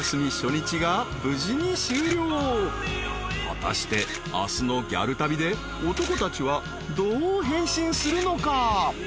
［果たして明日のギャル旅で男たちはどう変身するのか？］